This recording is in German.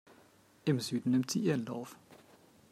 Im Süden nimmt sie ihren Lauf.